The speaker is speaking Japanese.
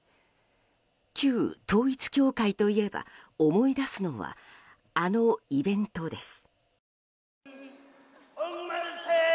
旧統一教会といえば思い出すのはあのイベントです。